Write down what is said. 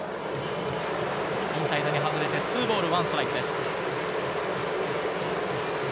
インサイドに外れて２ボール１ストライクです。